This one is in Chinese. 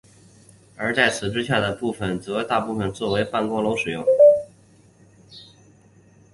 而在此之下的部分则大部分作为办公楼使用。